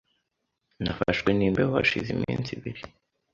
Nafashwe n'imbeho hashize iminsi ibiri .